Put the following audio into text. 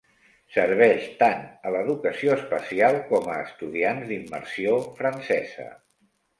Serveix tant a l'educació especial com a estudiants d'immersió francesa.